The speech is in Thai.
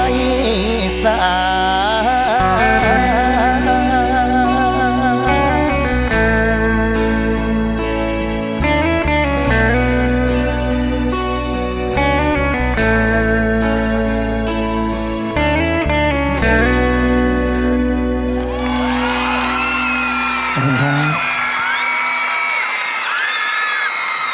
ใจเป็นรายต่างให้นางนั้นพิมอายสา